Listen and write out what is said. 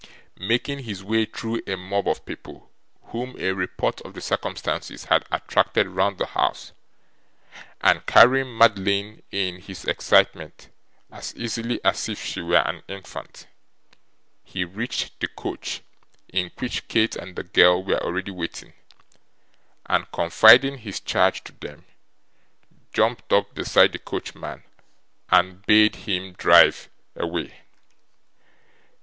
Making his way through a mob of people, whom a report of the circumstances had attracted round the house, and carrying Madeline, in his excitement, as easily as if she were an infant, he reached the coach in which Kate and the girl were already waiting, and, confiding his charge to them, jumped up beside the coachman and bade him drive away.